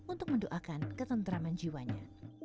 untuk mendoakan ketentraman jiwanya